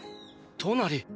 トナリ！